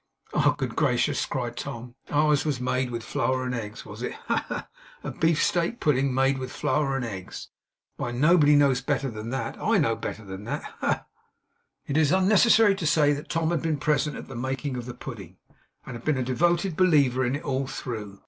'Oh good gracious!' cried Tom. 'Ours was made with flour and eggs, was it? Ha, ha, ha! A beefsteak pudding made with flour and eggs! Why anybody knows better than that. I know better than that! Ha, ha, ha!' It is unnecessary to say that Tom had been present at the making of the pudding, and had been a devoted believer in it all through.